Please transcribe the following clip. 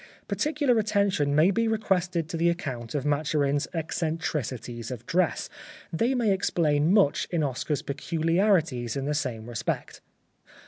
Particular attention may be requested to the account of Maturin's ec centricities of dress. They may explain much in Oscar's peculiarities in the same respect.